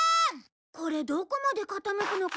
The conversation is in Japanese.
これどこまで傾くのかしら？